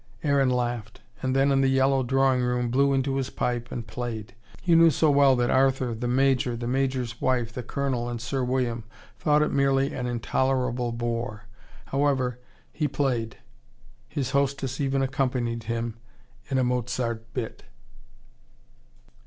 Aaron laughed. And then, in the yellow drawing room, blew into his pipe and played. He knew so well that Arthur, the Major, the Major's wife, the Colonel, and Sir William thought it merely an intolerable bore. However, he played. His hostess even accompanied him in a Mozart bit.